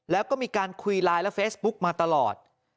แล้วก็มีการคุยไลน์และเฟซบุ๊กมาตลอด